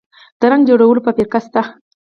د رنګ جوړولو فابریکې شته